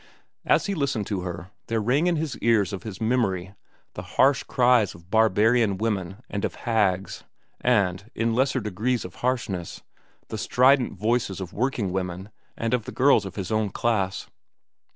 As he listened to her, there rang in the ears of his memory the harsh cries of barbarian women and of hags, and, in lesser degrees of harshness, the strident voices of working women and of the girls of his own class.